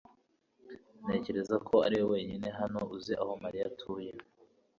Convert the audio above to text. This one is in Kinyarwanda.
Ntekereza ko ariwe wenyine hano uzi aho Mariya atuye.